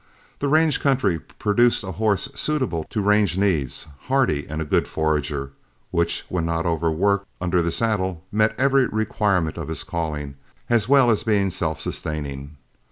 The range country produced a horse suitable to range needs, hardy and a good forager, which, when not overworked under the saddle, met every requirement of his calling, as well as being self sustaining.